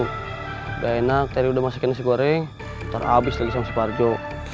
udah enak tadi udah masakin nasi goreng ntar abis lagi sama si farjo